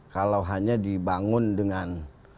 kalau hanya dibangun dengan